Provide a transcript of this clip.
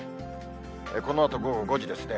このあと午後５時ですね。